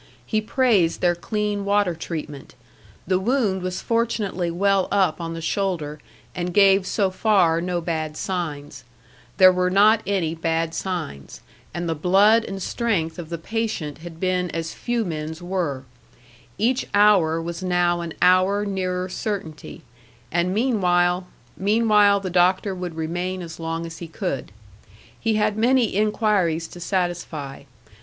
He praised their clean water treatment; the wound was fortunately well up on the shoulder, and gave so far no bad signs; there were not any bad signs; and the blood and strength of the patient had been as few men's were; each hour was now an hour nearer certainty, and meanwhile meanwhile the doctor would remain as long as he could. He had many inquiries to satisfy.